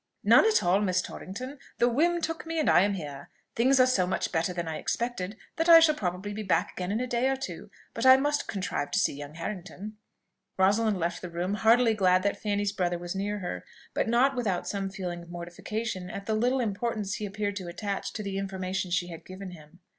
"None at all, Miss Torrington. The whim took me, and I am here. Things are so much better than I expected, that I shall probably be back again in a day or two; but I must contrive to see young Harrington." Rosalind left the room, heartily glad that Fanny's brother was near her, but not without some feeling of mortification at the little importance he appeared to attach to the information she had given him.